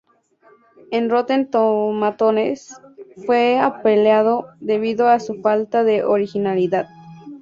En Rotten Tomatoes fue apaleado debido a su falta de originalidad.